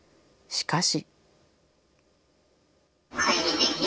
しかし。